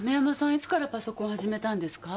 いつからパソコン始めたんですか？